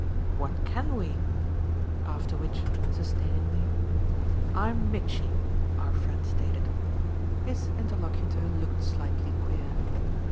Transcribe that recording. "What can we?" After which, sustainingly, "I'm 'Mitchy,'" our friend stated. His interlocutor looked slightly queer.